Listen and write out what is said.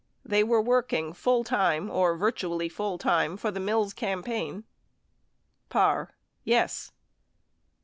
... they were working full time or virtually full time for the Mills campaign ? Parr. Yes.